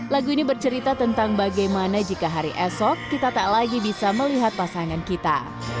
lagu ini bercerita tentang bagaimana jika hari esok kita tak lagi bisa melihat pasangan kita